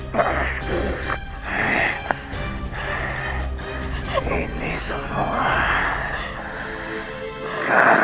berani kamu menjengkelme